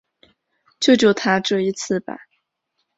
救救他这一次吧